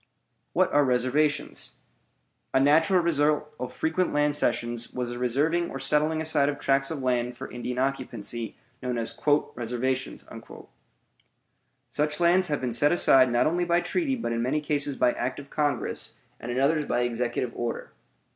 WHAT ARE RESERVATIONS? A natural result of frequent land cessions was the reserving or setting aside of tracts of land for Indian occupancy, known as "reservations." Such lands have been set aside not only by treaty but in many cases by act of Congress, and in others by executive order.